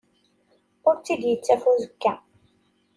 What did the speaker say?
Ur tt-id-ittaf uzekka.